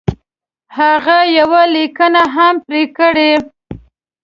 هغه یوه لیکنه هم پر کړې.